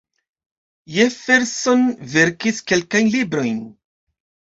Jefferson verkis kelkajn librojn.